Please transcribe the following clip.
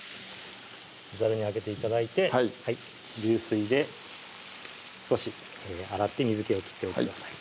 ざるにあげて頂いてはい流水で少し洗って水気を切っておいてください